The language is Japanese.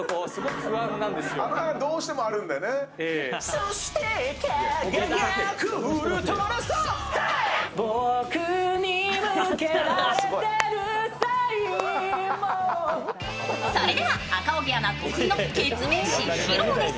そしてそれでは赤荻アナ、得意のケツメイシ披露です。